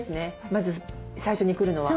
まず最初に来るのは。